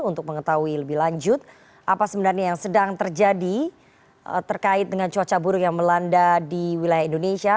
untuk mengetahui lebih lanjut apa sebenarnya yang sedang terjadi terkait dengan cuaca buruk yang melanda di wilayah indonesia